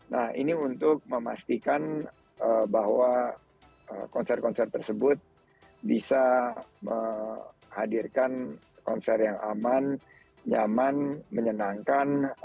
nah ini untuk memastikan bahwa konser konser tersebut bisa menghadirkan konser yang aman nyaman menyenangkan